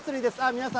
皆さん、